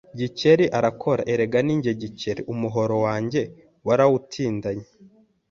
Gikeli arakorora Erega ni jye GikeliUmuhoro wanjye warawutindanye